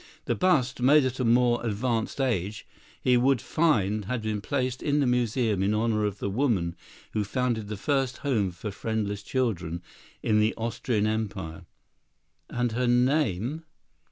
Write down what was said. The bust, made at a more advanced age, he would find had been placed in the museum in honor of the woman who founded the first home for friendless children in the Austrian Empire; and her name?